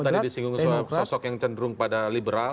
kalau tadi disinggung sosok yang cenderung pada liberal